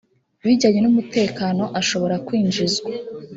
bijyanye n umutekano ashobora kwinjizwa